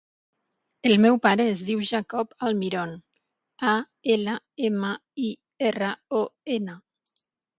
El meu pare es diu Jacob Almiron: a, ela, ema, i, erra, o, ena.